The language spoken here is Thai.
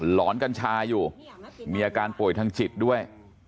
หอนกัญชาอยู่มีอาการป่วยทางจิตด้วย